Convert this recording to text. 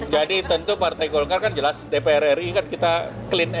jadi tentu partai golkar kan jelas dpr ri kan kita clean and clear